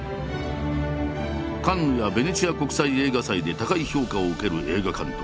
カンヌやベネチア国際映画祭で高い評価を受ける映画監督